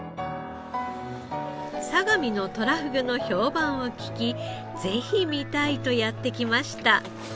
相模のとらふぐの評判を聞きぜひ見たいとやって来ました。